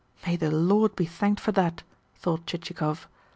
"May the Lord be thanked for that!" thought Chichikov.